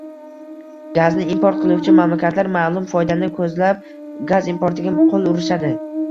gazni import qiluvchi mamlakatlar ma’lum foydani ko‘zlab gaz importiga qo‘l urishadi.